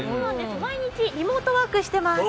毎日リモートワークしてます。